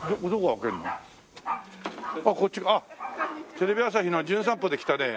テレビ朝日の『じゅん散歩』で来たね